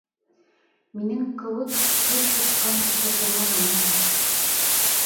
Минең кеүек төҙ һуҡҡан кеше тыумаған әле!